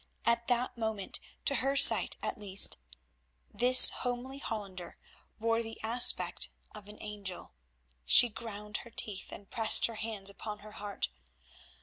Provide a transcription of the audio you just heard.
At that moment—to her sight at least—this homely Hollander wore the aspect of an angel. She ground her teeth and pressed her hands upon her heart.